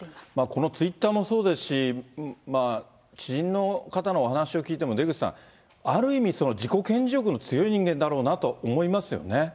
このツイッターもそうですし、知人の方のお話を聞いても、出口さん、ある意味、自己顕示欲の強い人間だろうなとは思いますよね。